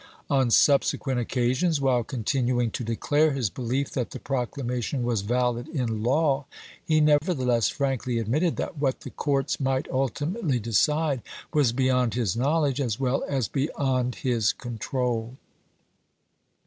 On subsequent occasions, while continuing to declare his belief that the proclamation was valid in law, he never theless frankly admitted that what the courts might ultimately decide was beyond his knowledge as well as beyond his control.